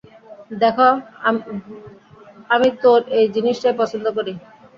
দেখ, আমি তোর এই জিনিসটাই পছন্দ করি।